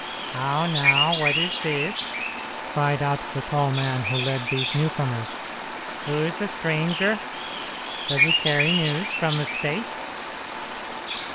"How now, what is this?" cried out the tall man who led these newcomers. "Who's the stranger? Does he carry news from the States?"